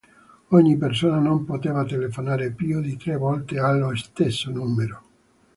Ogni persona non poteva telefonare, più di tre volte, allo stesso numero.